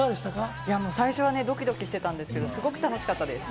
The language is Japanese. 最初はドキドキしていたんですけど、すごく楽しかったです。